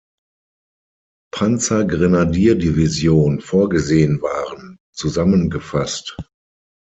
Panzergrenadierdivision vorgesehen waren, zusammengefasst.